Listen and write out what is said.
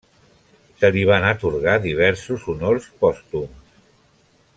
Se li van atorgar diversos honors pòstums.